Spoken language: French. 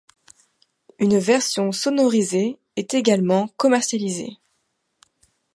Une version sonorisée est également commercialisée.